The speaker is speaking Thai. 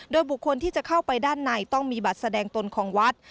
โดยบุคคลที่จะเข้าไปด้านในต้องมีบัตรแสดงตนของวัด